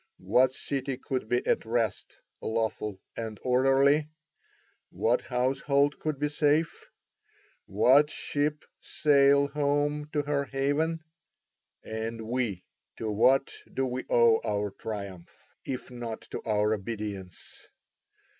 What city could be at rest, lawful, and orderly? What household could be safe? What ship sail home to her haven? And we, to what do we owe our triumph, if not to our obedience?